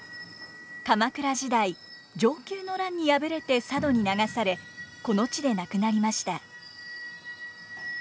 鎌倉時代承久の乱に敗れて佐渡に流されこの地で亡くなりました。